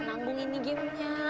nanggung ini gamenya